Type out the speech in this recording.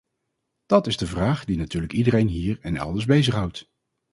Dat is de vraag die natuurlijk iedereen hier en elders bezighoudt.